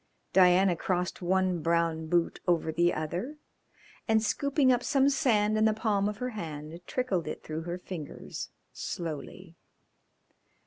Diana crossed one brown boot over the other, and scooping up some sand in the palm of her hand trickled it through her fingers slowly.